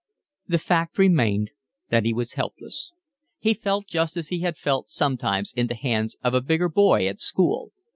The fact remained that he was helpless. He felt just as he had felt sometimes in the hands of a bigger boy at school.